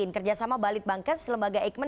kerjasama balit bankes lembaga eijkman